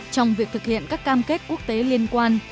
trong việc thực hiện các cam kết quốc tế liên quan